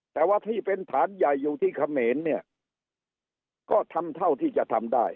แต่ว่าที่เป็นฐานใหญ่อยู่ที่เขมรเนี่ยก็ทำเท่าที่จะทำได้